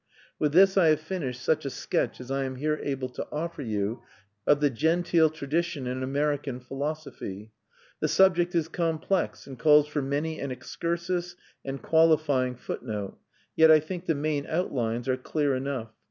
With this I have finished such a sketch as I am here able to offer you of the genteel tradition in American philosophy. The subject is complex, and calls for many an excursus and qualifying footnote; yet I think the main outlines are clear enough.